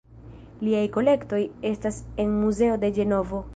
Liaj kolektoj estas en la muzeo de Ĝenovo.